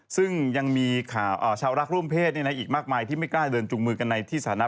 ซึ่งยังมีชาวรักร่วมเพศอีกมากมายที่ไม่กล้าเดินจุงมือกันในที่สถานะ